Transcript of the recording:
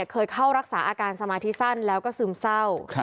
เคยเข้ารักษาอาการสมาธิสั้นแล้วก็ซึมเศร้า